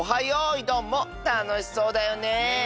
よいどん」もたのしそうだよね！